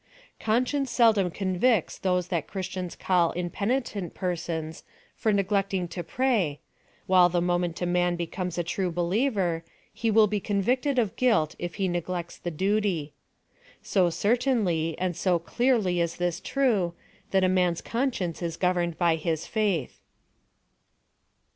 Conscience Beldom convicts those that christians call impeni tent persons for neglecting to pray, while tlie mo PLAN OF SALVATION. I4l» ment a man becomes a true believer, he will he convicted of guilt if he neglects tiie duty. So cer tainly and so clearly is it true, that a man's con science is governed by his faith.